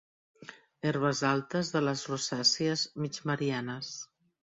Herbes altes de les rosàcies mig marianes.